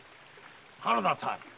原田さん